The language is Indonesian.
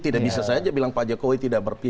tidak bisa saja bilang pak jokowi tidak berpihak